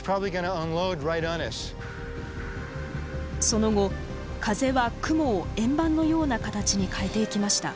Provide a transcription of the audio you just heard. その後風は雲を円盤のような形に変えていきました。